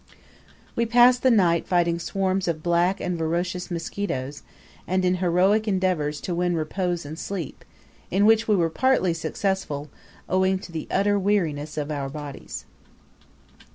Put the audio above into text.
We passed the night fighting swarms of black and voracious mosquitoes, and in heroic endeavours to win repose in sleep, in which we were partly successful, owing to the utter weariness of our bodies.